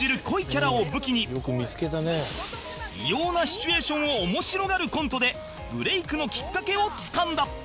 キャラを武器に異様なシチュエーションを面白がるコントでブレイクのきっかけをつかんだ